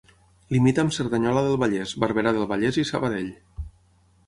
Limita amb Cerdanyola del Vallès, Barberà del Vallès i Sabadell.